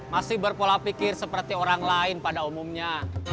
masih berpola pikir seperti orang lain pada umumnya